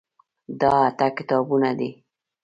دا اته کتابونه دي.